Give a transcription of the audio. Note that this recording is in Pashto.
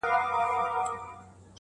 اوس به څوك د هندوكش سندري بولي!